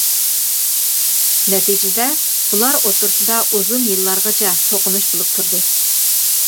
نەتىجىدە بولار ئوتتۇرىسىدا ئۇزۇن يىللارغىچە توقۇنۇش بولۇپ تۇردى.